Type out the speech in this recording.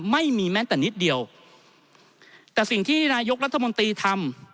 ไม่มีแม้แต่นิดเดียวแต่สิ่งที่นายกรัฐมนตรีทำ